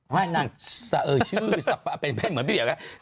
ไม่นางชื่อสัมพานาธุ์เป็นเพชรเหมือนพี่เดี๋ยวกัน